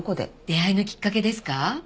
出会いのきっかけですか？